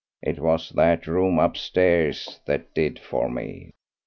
It was that room upstairs that did for me."